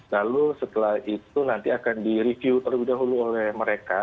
lalu setelah itu nanti akan direview terlebih dahulu oleh mereka